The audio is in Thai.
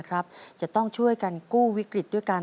รับ๑หมื่นบาท